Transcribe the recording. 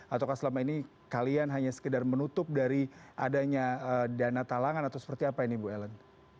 ataukah selama ini kalian hanya sekedar menutup dari adanya dana talangan atau seperti apa ini bu ellen